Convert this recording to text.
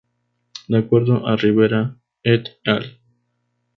De acuerdo a Ribera "et al".